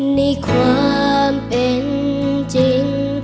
ในความเป็นจริง